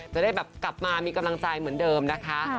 จะได้แบบกลับมามีกำลังใจเหมือนเดิมนะคะ